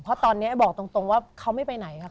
เพราะตอนนี้บอกตรงว่าเขาไม่ไปไหนค่ะ